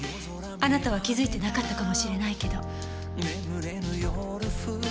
あなたは気づいてなかったかもしれないけど。